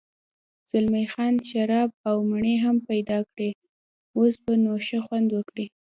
زلمی خان شراب او مڼې هم پیدا کړې، اوس به نو ښه خوند وکړي.